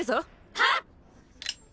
はっ！